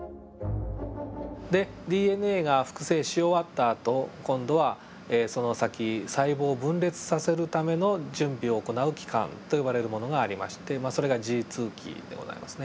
でＤＮＡが複製し終わったあと今度はその先細胞を分裂させるための準備を行う期間と呼ばれるものがありましてそれがＧ期でございますね。